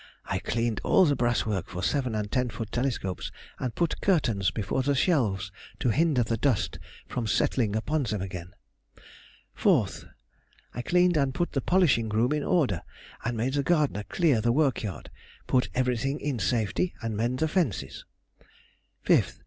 I cleaned all the brass work for seven and ten foot telescopes, and put curtains before the shelves to hinder the dust from settling upon them again. 4th.—I cleaned and put the polishing room in order, and made the gardener clear the work yard, put everything in safety, and mend the fences. _5th.